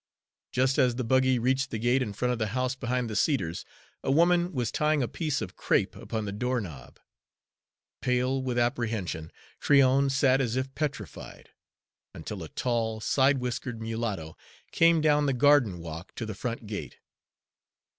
Just as the buggy reached the gate in front of the house behind the cedars, a woman was tying a piece of crape upon the door knob. Pale with apprehension, Tryon sat as if petrified, until a tall, side whiskered mulatto came down the garden walk to the front gate.